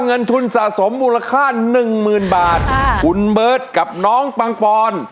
เงินทุนสะสมมูลค่าหนึ่งหมื่นบาทคุณเบิร์ตกับน้องปังปอน